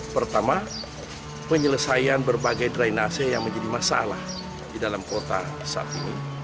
pertama penyelesaian berbagai drainase yang menjadi masalah di dalam kota saat ini